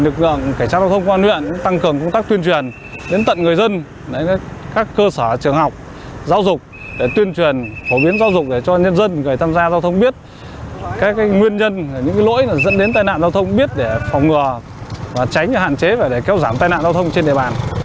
các nguyên nhân những lỗi dẫn đến tai nạn giao thông biết để phòng ngừa tránh hạn chế và kéo giảm tai nạn giao thông trên địa bàn